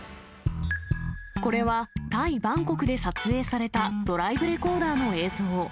これは、タイ・バンコクで撮影されたドライブレコーダーの映像。